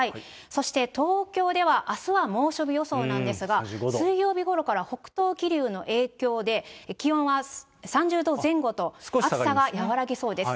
そして東京では、あすは猛暑日予想なんですが、水曜日ごろから北東気流の影響で、気温は３０度前後と、暑さは和らぎそうです。